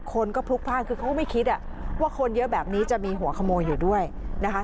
คนก็พลุกพลาดคือเขาก็ไม่คิดว่าคนเยอะแบบนี้จะมีหัวขโมยอยู่ด้วยนะคะ